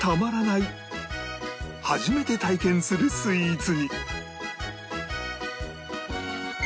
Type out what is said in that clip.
初めて体験するスイーツに！